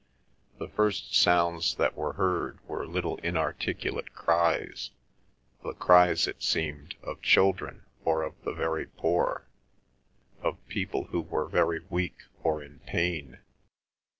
The first sounds that were heard were little inarticulate cries, the cries, it seemed, of children or of the very poor, of people who were very weak or in pain.